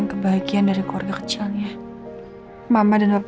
kapan dia ada yang mau main kompor